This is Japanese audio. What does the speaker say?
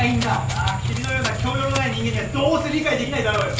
ああ君のような教養のない人間にはどうせ理解できないだろうよ。